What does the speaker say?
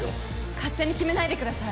勝手に決めないでください